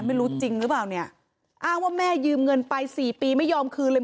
ไม่รู้จริงหรือเปล่าเนี่ยอ้างว่าแม่ยืมเงินไปสี่ปีไม่ยอมคืนเลย